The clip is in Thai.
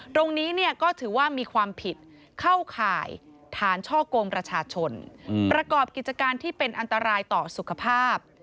ตรงนี้เนี่ยก็ถือว่ามีความผิดเข้าข่ายฐานช่อกงประชาชนประกอบกิจการที่เป็นอันตรายต่อสุขภาพ